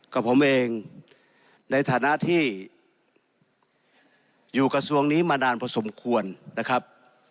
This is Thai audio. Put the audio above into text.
กับผมเองในฐานะที่อยู่กระทรวงนี้มานานพอสมควรนะครับ